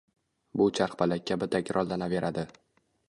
Bu charxpalak kabi takrorlanaveradi